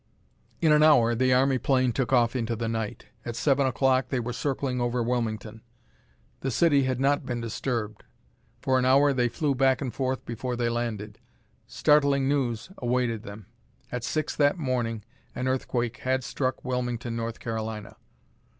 In an hour the army plane took off into the night. At seven o'clock they were circling over Wilmington. The city had not been disturbed. For an hour they flew back and forth before they landed. Startling news awaited them. At six that morning an earthquake had struck Wilmington, North Carolina.